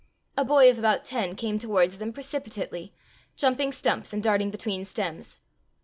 A boy of about ten came towards them precipitately, jumping stumps, and darting between stems.